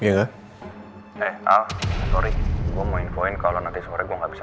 nanti aja kita langsung tanya